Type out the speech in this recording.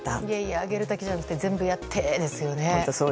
あげるだけじゃなくて全部やって！ですよね。